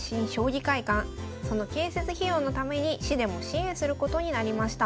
その建設費用のために市でも支援することになりました。